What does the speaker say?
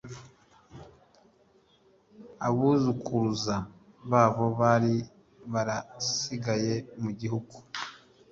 abuzukuruza babo bari barasigaye mu gihugu